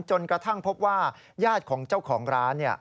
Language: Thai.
จนกระทั่งพบว่าญาติของเจ้าของร้านเนี่ย